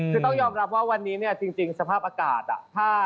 คือต้องยอมรับว่าวันนี้เนี่ยจริงสภาพอากาศ